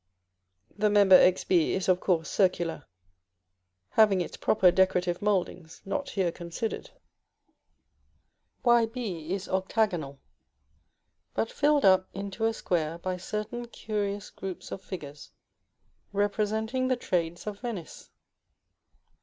The member Xb is of course circular, having its proper decorative mouldings, not here considered; Yb is octagonal, but filled up into a square by certain curious groups of figures representing the trades of Venice.